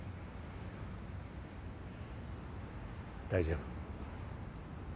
大丈夫。